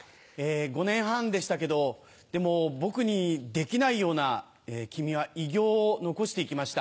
５年半でしたけどでも僕にできないような君は偉業を残して行きました。